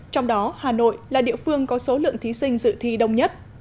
trong đó hà nội là địa phương có số lượng thí sinh dự thi đông nhất